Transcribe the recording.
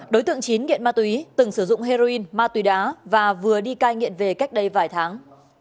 đối tượng chín nghiện ma túy từng sử dụng heroin ma túy đá và vừa đi cai nghiện về cách đây vài tháng